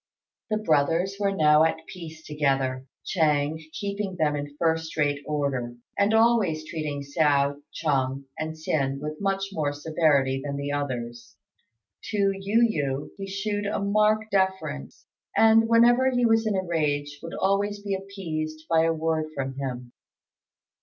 The brothers were now at peace together, Ch'êng keeping them in first rate order, and always treating Hsiao, Chung, and Hsin with much more severity than the others. To Yu yü he shewed a marked deference, and, whenever he was in a rage, would always be appeased by a word from him.